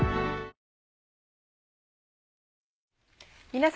皆様。